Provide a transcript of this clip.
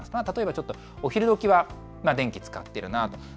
例えば、ちょっとお昼どきは電気使っているなと。